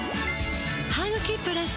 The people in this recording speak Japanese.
「ハグキプラス」